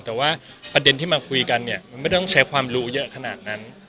แต่ว่าประเด็นที่มาคุยกันเนี่ยมันไม่ต้องใช้ความรู้เยอะขนาดนั้น